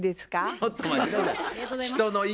ちょっと待って下さい。